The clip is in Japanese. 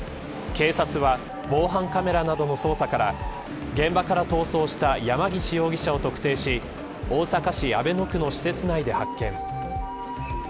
警察は防犯カメラなどの捜査から現場から逃走した山岸容疑者を特定し大阪市阿倍野区の施設内で発見。